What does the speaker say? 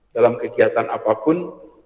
dalam kegiatan apapun